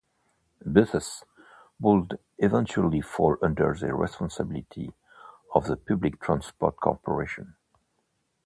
Buses would eventually fall under the responsibility of the Public Transport Corporation.